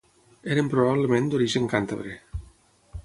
Eren probablement d'origen càntabre.